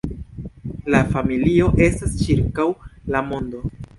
La familio estas ĉirkaŭ la mondo.